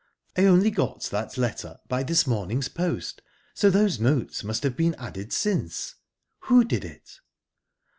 "I only got that letter by this morning's post, so those notes must have been added since. Who did it?"